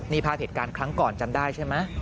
นี่ภาพเหตุการณ์ครั้งก่อนจำได้ใช่ไหม